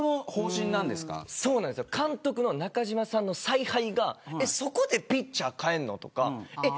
監督の中嶋さんの采配がそこでピッチャーを代えるのとか。